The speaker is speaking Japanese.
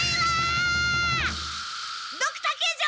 ドクタケ城！